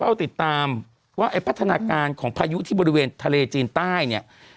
ว่าไอ้พัฒนาการของพายุที่บริเวณทะเลจีนใต้เนี่ย